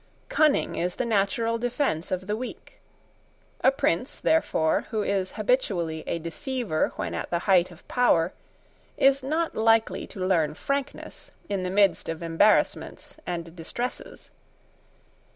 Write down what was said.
Cunning is the natural defence of the weak. A prince, therefore, who is habitually a deceiver when at the height of power, is not likely to learn frankness in the midst of embarrassments and distresses.